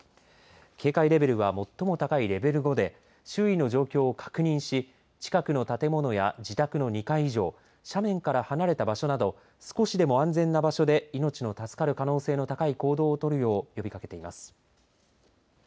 警戒レベルが最も高いレベル５で周囲の状況を確認し近くの建物や自宅の２階以上斜面から離れた場所など少しでも安全な場所で命の助かる可能性の高い行動を取るよう呼びかけています。